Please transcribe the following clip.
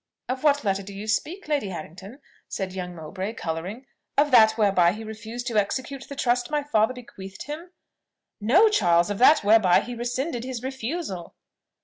"Of what letter do you speak, Lady Harrington?" said young Mowbray, colouring; "of that whereby he refused to execute the trust my father bequeathed him?" "No, Charles! Of that whereby he rescinded his refusal."